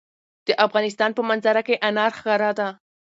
د افغانستان په منظره کې انار ښکاره ده.